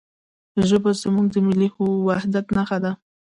ژبه زموږ د ملي وحدت نښه ده.